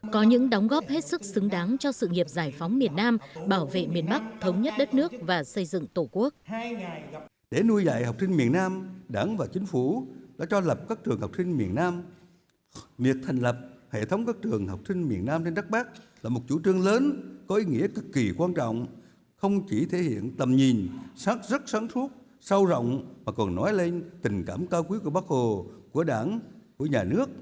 có những đóng góp hết sức xứng đáng cho sự nghiệp giải phóng miền nam bảo vệ miền bắc thống nhất đất nước và xây dựng tổ quốc